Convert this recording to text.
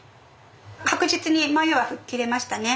確実に迷いは吹っ切れましたね。